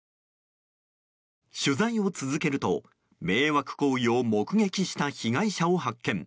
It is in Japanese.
取材を続けると、迷惑行為を目撃した被害者を発見。